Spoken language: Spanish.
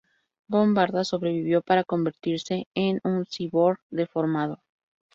Von Bardas sobrevivió para convertirse en un cyborg deformado.